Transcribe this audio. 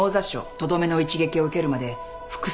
とどめの一撃を受けるまで複数回殴られてる。